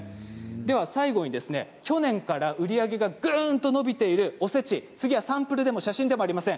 最後に去年から売り上げがぐんと伸びているおせちサンプルでも写真でもありません。